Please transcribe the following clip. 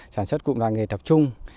sản xuất cụm làng nghề tập trung